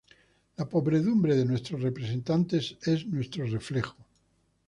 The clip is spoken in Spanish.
La pobredumbre de nuestros representantes es nuestro reflejo